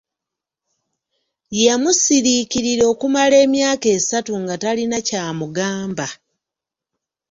Yamusiriikirira okumala emyaka esatu nga talina ky’amugamba.